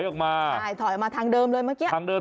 ใช่ถอยออกมาทางเดิมเลยเมื่อกี้